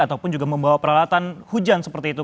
ataupun juga membawa peralatan hujan seperti itu